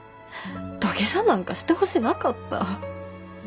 土下座なんかしてほしなかった。